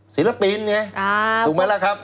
ศิลปินไงถูกไหมล่ะครับ